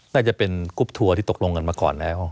น่าจะเป็นกรุ๊ปทัวร์ที่ตกลงกันมาก่อนแล้ว